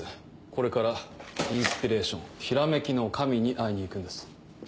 これからインスピレーションひらめきの神に会いに行くんです。